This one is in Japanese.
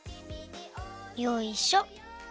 よいしょ。